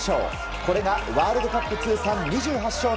これがワールドカップ通算２８勝目。